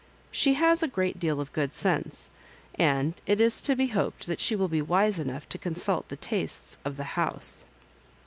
*' She has a great deal of good sense, and it is to be hoped that she will be wise enough to consult the tastes of the house."